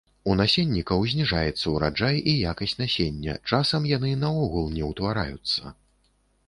У насеннікаў зніжаецца ўраджай і якасць насення, часам яны наогул не ўтвараюцца.